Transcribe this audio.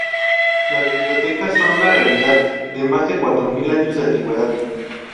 Las bibliotecas son una realidad de más de cuatro mil años de antigüedad.